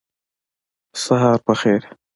سهار په خیر